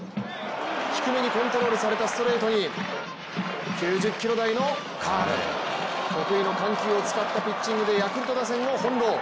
低めにコントロールされたストレートに、９０キロ台のカーブ得意の緩急を使ったピッチングでヤクルト打線をほんろう。